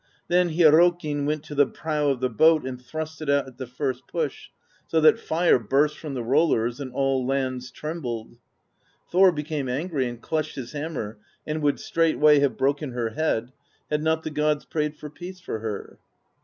Then Hyrrokkin went to the prow of the boat and thrust it out at the first push, so that fire burst from the rollers, and all lands trembled. Thor became angry and clutched his ham mer, and would straightway have broken her head, had not the gods prayed for peace for her.